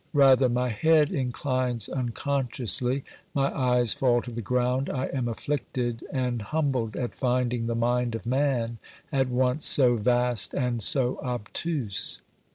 Rather my head inclines unconsciously, my eyes fall to the ground, I am afflicted and humbled at finding the mind of man at once so vast and so obtuse.